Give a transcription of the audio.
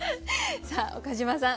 さあ岡島さん